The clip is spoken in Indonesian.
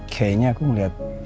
kayaknya aku melihat